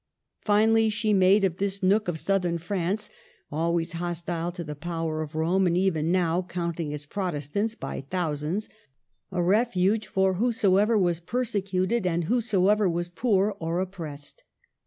Finally, she made of this nook of Southern France (always hostile to the power of Rome and even now counting its Protestants by thousands) a refuge for whosoever was perse cuted and whosoever was poor or oppressed.